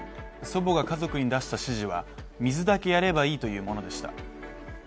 祖母が家族に出した指示は水だけやればいいというものでした。